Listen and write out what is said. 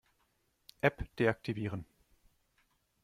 App deaktivieren.